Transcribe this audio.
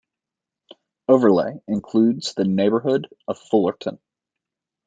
Overlea includes the neighborhood of Fullerton.